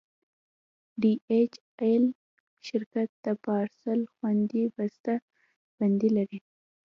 ډي ایچ ایل شرکت د پارسل خوندي بسته بندي لري.